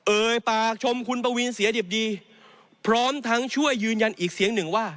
เอ่ยปากชมคุณปวีนเสียดิบดีพร้อมทั้งช่วยยืนยันอีกเสียงหนึ่งว่า